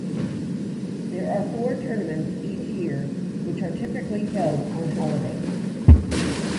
There are four tournaments each year which are typically held on holidays.